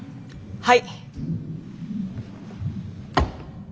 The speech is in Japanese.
はい！